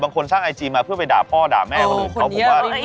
บางคนสร้างไอจีมาเพื่อไปด่าพ่อด่าแม่คนอื่น